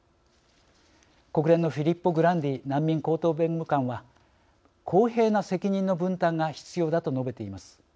国連のフィリッポ・グランディ難民高等弁務官は「公平な責任の分担が必要だ」と述べています。